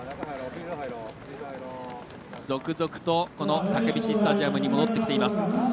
続々とたけびしスタジアムに戻ってきています。